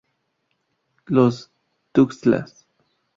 Los Tuxtlas.